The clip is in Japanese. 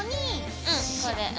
うんこれ。